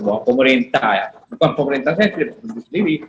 bahwa pemerintah bukan pemerintah saya sendiri